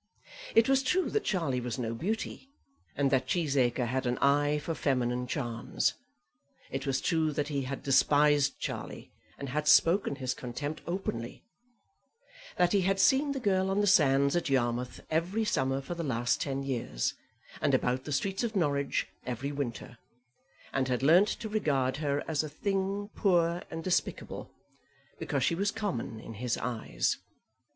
It was true that Charlie was no beauty, and that Cheesacre had an eye for feminine charms. It was true that he had despised Charlie, and had spoken his contempt openly; that he had seen the girl on the sands at Yarmouth every summer for the last ten years, and about the streets of Norwich every winter, and had learned to regard her as a thing poor and despicable, because she was common in his eyes.